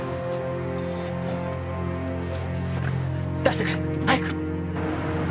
出してくれ！早く！